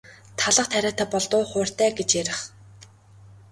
Талх тариатай бол дуу хууртай гэж ярих.